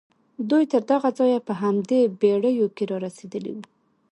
دوی تر دغه ځايه په همدې بېړيو کې را رسېدلي وو.